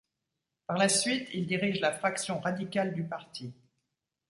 Par la suite, il dirige la fraction radicale du parti.